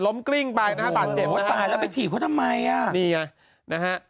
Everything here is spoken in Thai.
ล้มกลิ้งไปนะฮะหัวตายแล้วไปถีบเขาทำไมอ่ะนี่ไงนะฮะ